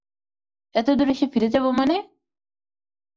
এতদূর এসে ফিরে যাব মানে!